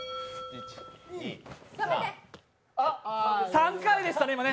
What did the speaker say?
３回でしたね、今ね。